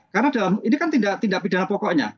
karena ini kan tindak pindahan pokoknya